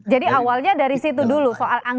jadi awalnya dari situ dulu soal